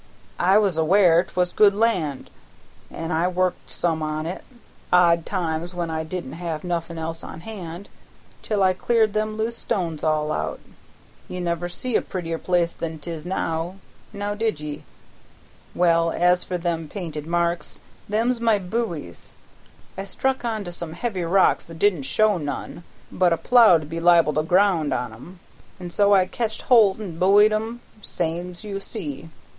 I was aware 'twas good land, an' I worked some on it odd times when I didn't have nothin' else on hand till I cleared them loose stones all out. You never see a prettier piece than 'tis now; now did ye? Well, as for them painted marks, them's my buoys. I struck on to some heavy rocks that didn't show none, but a plow'd be liable to ground on 'em, an' so I ketched holt an' buoyed 'em same's you see.